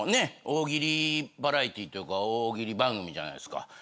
大喜利バラエティーというか大喜利番組じゃないですか。